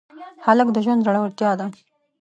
هلک د ژوند زړورتیا ده.